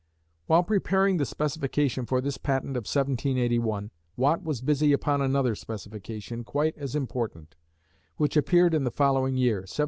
While preparing the specification for this patent of 1781, Watt was busy upon another specification quite as important, which appeared in the following year, 1782.